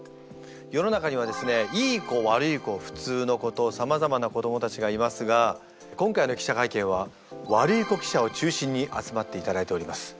世の中にはですねいい子悪い子普通の子とさまざまな子どもたちがいますが今回の記者会見はワルイコ記者を中心に集まっていただいております。